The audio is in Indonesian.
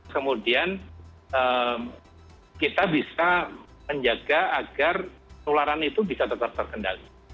kemudian kita bisa menjaga agar penularan itu bisa tetap terkendali